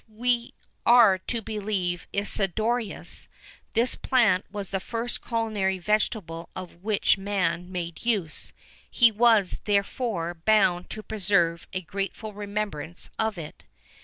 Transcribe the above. If we are to believe Isidorus, this plant was the first culinary vegetable of which man made use;[VIII 9] he was, therefore, bound to preserve a grateful remembrance of it.